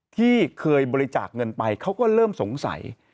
ที่เคยบริจาคเงินไปเขาก็เริ่มสงสัย